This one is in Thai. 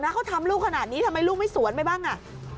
เขาทำลูกขนาดนี้ทำไมลูกไม่สวนไปบ้างอ่ะ